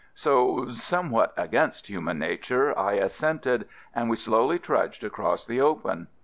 So somewhat against human nature I assented, and we slowly trudged across the open.